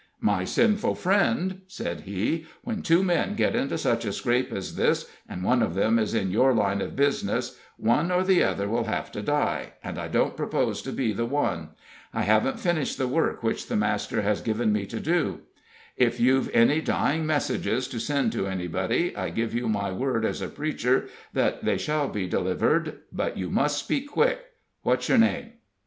"My sinful friend," said he, "when two men get into such a scrape as this, and one of them is in your line of business, one or the other will have to die, and I don't propose to be the one. I haven't finished the work which the Master has given me to do. If you've any dying messages to send to anybody, I give you my word as a preacher that they shall be delivered, but you must speak quick. What's your name?"